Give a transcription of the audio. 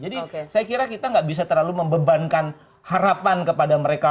jadi saya kira kita nggak bisa terlalu membebankan harapan kepada mereka